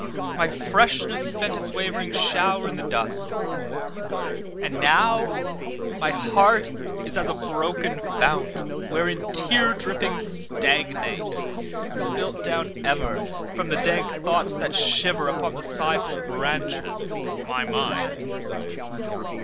My freshness spent its wavering shower i' the dust; And now my heart is as a broken fount, Wherein tear drippings stagnate, spilt down everFrom the dank thoughts that shiverUpon the sighful branches of my mind.